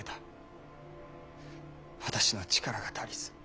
私の力が足りず。